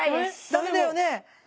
ダメだよね。